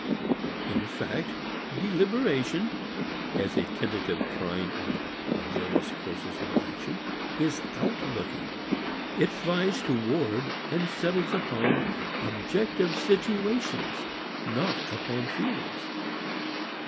In fact, deliberation, as a tentative trying out of various courses of action, is outlooking. It flies toward and settles upon objective situations not upon feelings.